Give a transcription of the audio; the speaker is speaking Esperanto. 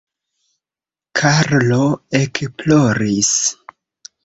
Karlo ekploris.